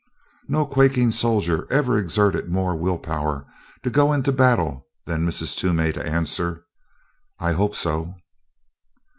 No quaking soldier ever exerted more will power to go into battle than did Mrs. Toomey to answer: "I hope so."